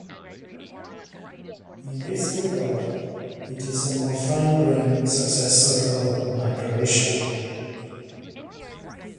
In this regard, it is a more fine-grained successor of Macrovision.